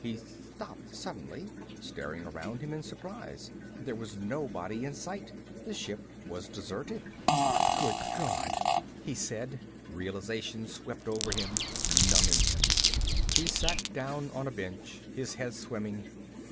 He stopped suddenly, staring around him in surprise. There was nobody in sight. The ship was deserted. "Good God," he said. Realization swept over him, numbing him. He sat down on a bench, his head swimming.